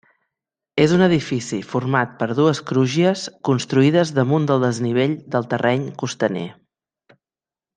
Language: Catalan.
És un edifici format per dues crugies, construïdes damunt del desnivell del terreny costaner.